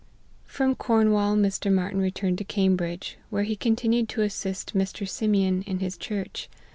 FROM Cornwall, Mr. Martyn returned to Cam bridge, where he continued to assist Mr. Simeon in his church.